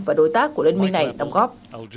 và đối tác của đồng minh này đồng góp